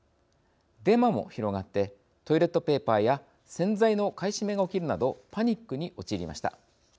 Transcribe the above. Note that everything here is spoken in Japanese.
デマも広がってトイレットペーパーや洗剤の買い占めが起きるなどパニックに陥りました。